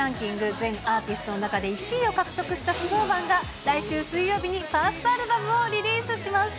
全アーティストの中で１位を獲得したＳｎｏｗＭａｎが、来週水曜日にファーストアルバムをリリースします。